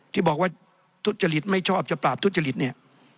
ที่บอกว่าทุจริตไม่ชอบจะปราบทุจริตเนี่ย